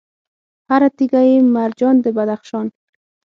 هر تیږه یې مرجان د بدخشان